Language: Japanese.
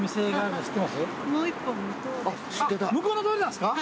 向こうの通りなんすか？